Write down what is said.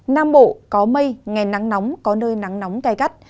nam bộ có mây ngày nắng nóng có nơi nắng nóng cay cắt